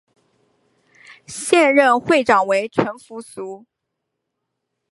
现任会长为陈福裕。